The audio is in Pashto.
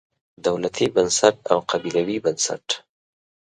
دولتي بنسټ او قبیلوي بنسټ.